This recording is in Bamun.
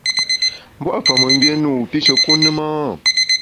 Mbua’ fa mengbié ne wu wu pishe kun ne ma ?